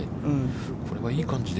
これはいい感じで？